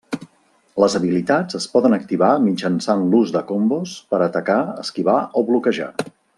Les habilitats es poden activar mitjançant l'ús de combos per atacar, esquivar o bloquejar.